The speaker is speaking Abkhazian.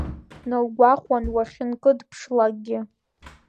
Наугәахәуан уахьынкыдыԥшлакгьы.